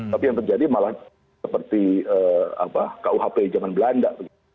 tapi yang terjadi malah seperti kuhp zaman belanda